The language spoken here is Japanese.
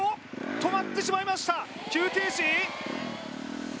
止まってしまいました急停止？